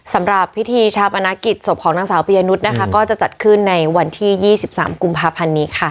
สำหรับพิธีชาปนกิจศพของนางสาวปียนุษย์นะคะก็จะจัดขึ้นในวันที่๒๓กุมภาพันธ์นี้ค่ะ